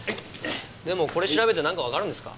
でもこれ調べてなんかわかるんですか？